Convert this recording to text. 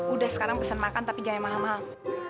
udah sekarang pesen makan tapi jangan yang mahal mahal